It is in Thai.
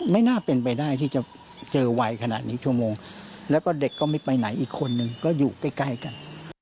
ไม่น่าเป็นไปได้ที่จะเจอไวขนาดนี้ชั่วโมงแล้วก็เด็กก็ไม่ไปไหนอีกคนนึงก็อยู่ใกล้ใกล้กัน